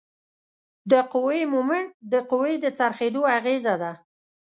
د قوې مومنټ د قوې د څرخیدو اغیزه ده.